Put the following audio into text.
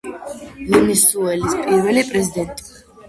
ვენესუელის პირველი პრეზიდენტი.